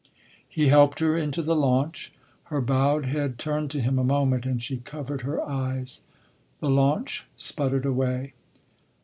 He helped her into the launch. Her bowed head turned to him a moment, and she covered her eyes. The launch sputtered away.